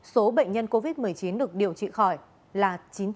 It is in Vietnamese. số bệnh nhân covid một mươi chín được điều trị khỏi là chín trăm chín mươi chín